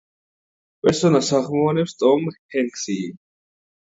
პერსონაჟს ახმოვანებს ტომ ჰენქსი.